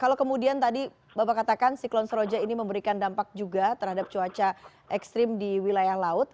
kalau kemudian tadi bapak katakan siklon seroja ini memberikan dampak juga terhadap cuaca ekstrim di wilayah laut